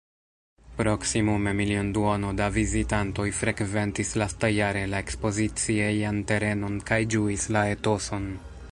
Proksimume milionduono da vizitantoj frekventis lastajare la ekspoziciejan terenon kaj ĝuis la etoson.